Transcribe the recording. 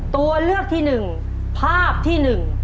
ตัวเลือกที่๑ภาพที่๑